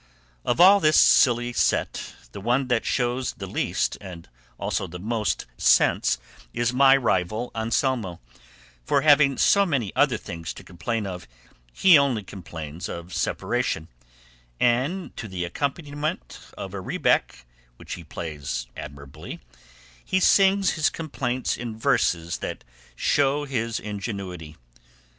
Of all this silly set the one that shows the least and also the most sense is my rival Anselmo, for having so many other things to complain of, he only complains of separation, and to the accompaniment of a rebeck, which he plays admirably, he sings his complaints in verses that show his ingenuity.